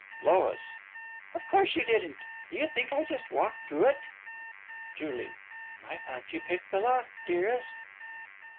LOIS: Of course you didn't. Do you think I just walked through it? JULIE: I thought you picked the lock, dearest.